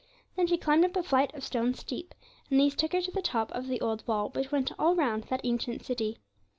Then she climbed up a flight of stone steep, and these took her to the top of the old wall, which went all round that ancient city.